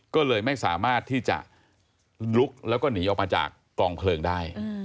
ก็เลยไม่สามารถที่จะลุกแล้วก็หนีออกมาจากกองเพลิงได้